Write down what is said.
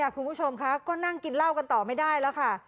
คุณผู้ชมค่ะก็นั่งกินเหล้ากันต่อไม่ได้แล้วค่ะ